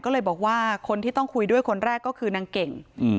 ก็เลยบอกว่าคนที่ต้องคุยด้วยคนแรกก็คือนางเก่ง